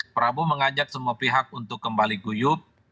prabowo mengajak semua pihak untuk kembali guyup